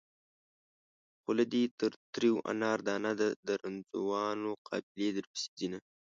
خوله دې د تريو انار دانه ده د رنځورانو قافلې درپسې ځينه